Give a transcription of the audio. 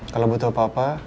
kalau butuh apa apa